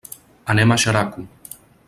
Anem a Xeraco.